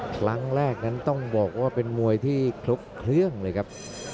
ครั้งแรกนั้นต้องบอกว่าเป็นมวยที่ครบเครื่องเลยครับ